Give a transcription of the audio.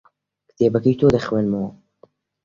کتێبەکەی تۆ دەخوێنمەوە.